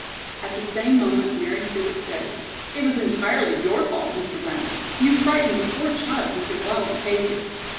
At the same moment Mary Stewart said: "It was entirely your fault, Mr. Blount. You frightened the poor child with your wild behavior."